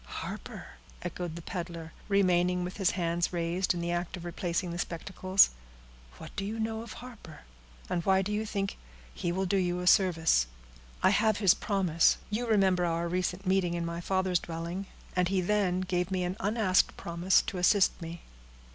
"Harper!" echoed the peddler, remaining with his hands raised, in the act of replacing the spectacles. "What do you know of Harper? And why do you think he will do you service?" "I have his promise; you remember our recent meeting in my father's dwelling, and he then gave an unasked promise to assist me."